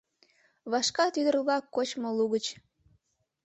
Вашкат ӱдыр-влак кочмо лугыч.